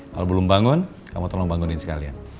kalau belum bangun kamu tolong bangunin sekalian